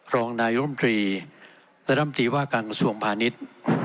รองนายรมตรีและร่ำตีว่าการกระทรวงพาณิชย์